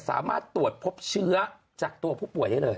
สามารถตรวจพบเชื้อจากตัวผู้ป่วยได้เลย